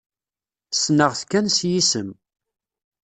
Ssneɣ-t kan s yisem.